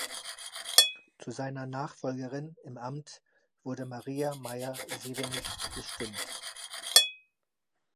Zu seiner Nachfolgerin im Amt wurde Maria Meyer-Sevenich bestimmt.